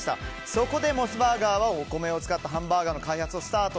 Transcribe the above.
そこでモスバーガーはお米を使ったハンバーガーの開発をスタート。